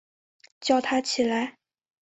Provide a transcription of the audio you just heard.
叫他起来